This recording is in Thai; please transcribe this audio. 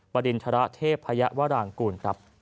บรินทราเทพพยาวรางกุล